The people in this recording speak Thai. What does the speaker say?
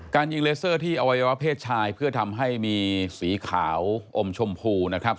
ยิงเลเซอร์ที่อวัยวะเพศชายเพื่อทำให้มีสีขาวอมชมพูนะครับ